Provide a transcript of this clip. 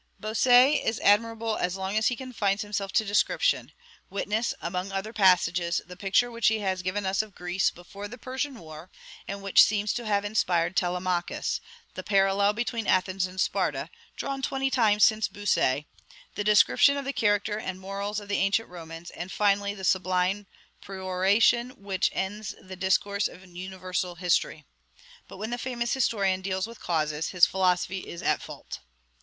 Bossuet is admirable as long as he confines himself to description: witness, among other passages, the picture which he has given us of Greece before the Persian War, and which seems to have inspired "Telemachus;" the parallel between Athens and Sparta, drawn twenty times since Bossuet; the description of the character and morals of the ancient Romans; and, finally, the sublime peroration which ends the "Discourse on Universal History." But when the famous historian deals with causes, his philosophy is at fault.